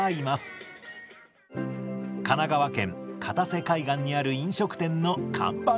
神奈川県片瀬海岸にある飲食店の看板ロボットです。